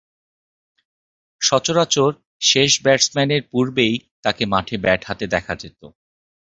সচরাচর শেষ ব্যাটসম্যানের পূর্বেই তাকে মাঠে ব্যাট হাতে দেখা যেতো।